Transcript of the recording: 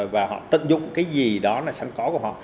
và họ tận dụng cái gì đó là sẵn có của họ